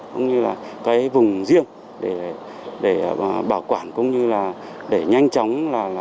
cũng như là cái vùng riêng để bảo quản cũng như là để nhanh chóng là